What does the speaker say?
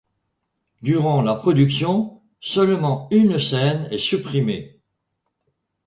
Durant la production, seulement une scène est supprimée.